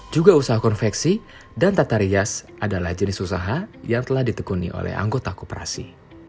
juga usaha konveksi dan tatarias adalah jenis usaha yang telah ditekuni oleh anggota kooperasi